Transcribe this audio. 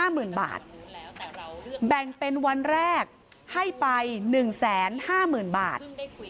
หมื่นบาทแบ่งเป็นวันแรกให้ไป๑๕๐๐๐บาท